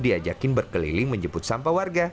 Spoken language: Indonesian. dan saya yakin berkeliling menjemput sampah warga